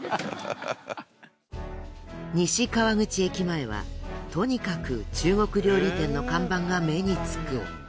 西川口駅前はとにかく中国料理店の看板が目につく。